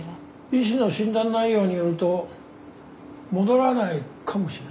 医師の診断内容によると戻らないかもしれない。